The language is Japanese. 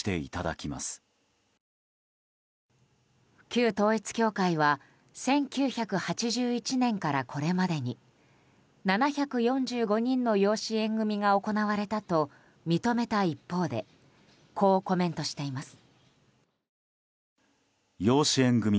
旧統一教会は１９８１年からこれまでに７４５人の養子縁組が行われたと認めた一方でこうコメントしています。